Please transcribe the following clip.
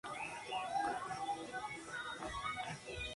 Estos servicios anteriormente eran denominados como Eurostar City Italia.